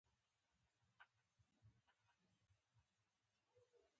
دوی د سوکالۍ لپاره هېڅ قرباني نه کوي.